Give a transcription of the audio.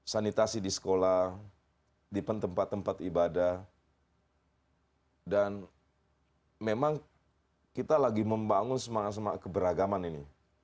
sanitasi di sekolah di tempat tempat ibadah dan memang kita lagi membangun semangat semangat keberagaman ini